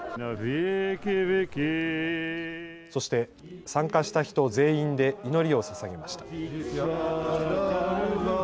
そして参加した人全員で祈りをささげました。